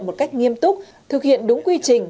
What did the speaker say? một cách nghiêm túc thực hiện đúng quy trình